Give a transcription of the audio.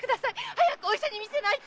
早くお医者に診せないと！